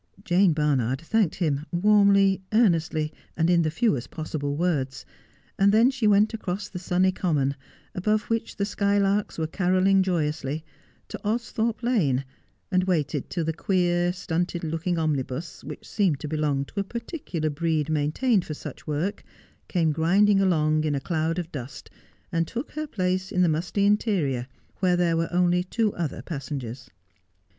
Jane Barnard thanked him warmly, earnestly, and in the fewest possible words, and then she went across the sunny common, above which the skylarks were carolling joyously, to Austhorpe Lane, and waited till the queer, stunted looking omnibus, which seemed to belong to a particular breed main The End of all Things. 267 tained for such work, came grinding along in a cloud of dust, and took her place in the musty interior, where there were only two other passengers.